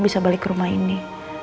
bisa balik ke rumah ini